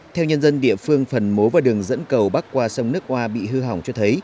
theo nhân dân địa phương phần mố và đường dẫn cầu bắc qua sông nước hoa bị hư hỏng cho thấy